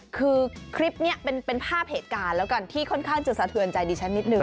คือคลิปนี้เป็นภาพเหตุการณ์แล้วกันที่ค่อนข้างจะสะเทือนใจดิฉันนิดนึ